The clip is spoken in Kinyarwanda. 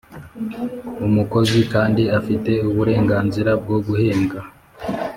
Umukozi kandi afite uburenganzira bwo guhembwa.